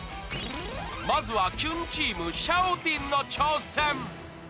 まずはキュンチームシャオティンの挑戦